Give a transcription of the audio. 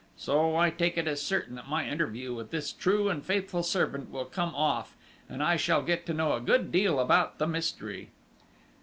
So, I take it as certain that my interview with this true and faithful servant will come off, and I shall get to know a good deal about the mystery!..."